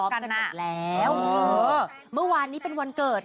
เห็นตั้งแต่เริ่มแล้วดูลงเห็นตั้งแต่เริ่ม